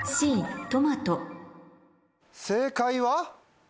正解は？